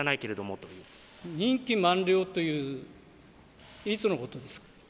任期満了という、いつのことですか？